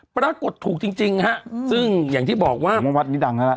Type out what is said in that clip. ปรากฏถูกจริงจริงฮะอืมซึ่งอย่างที่บอกว่าวัดนี้ดังแล้วล่ะ